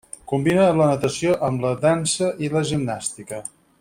Combina la natació amb la dansa i la gimnàstica.